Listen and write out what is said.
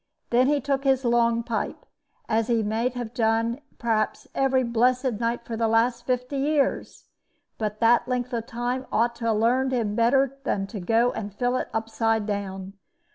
Then he took his long pipe, as he may have done perhaps every blessed night for the last fifty years; but that length of time ought to have learned him better than to go for to fill it upside down.